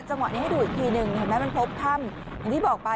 จังหวะนี้ให้ดูอีกทีหนึ่งเห็นไหมมันพบถ้ำอย่างที่บอกไป